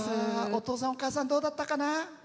お父さんお母さん、どうだったかな？